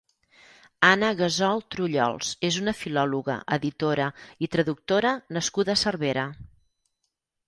Anna Gasol Trullols és una filòloga, editora i traductora nascuda a Cervera.